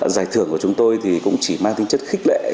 giải thưởng của chúng tôi thì cũng chỉ mang tính chất khích lệ